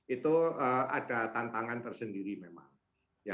itu ada tantangan tersendiri memang